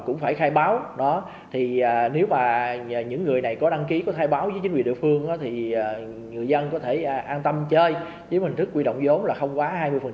thì phải khai báo đó thì nếu mà những người này có đăng ký có thai báo với chính quyền địa phương thì người dân có thể an tâm chơi với hình thức huy động vốn là không quá hai mươi